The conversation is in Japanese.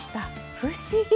不思議！